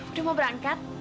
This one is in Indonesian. udah mau berangkat